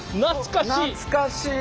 懐かしい！